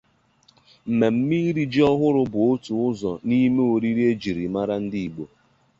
mmemme iri Ji ọhụrụ bụ otu ụzọ nime oriri ejiri mara ndi Igbo.